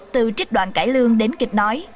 từ trích đoàn cải lương đến kịch nói